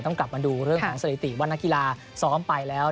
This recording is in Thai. กลับมาดูเรื่องของสถิติว่านักกีฬาซ้อมไปแล้ว